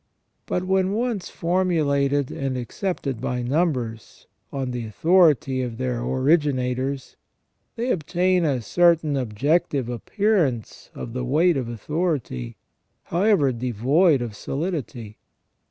But when once formulated and accepted by numbers, on the authority of their originators, they obtain a certain objective appearance of the weight of authority, however devoid of solidity.